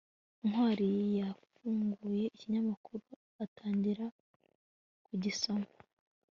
ntwali yafunguye ikinyamakuru atangira kugisoma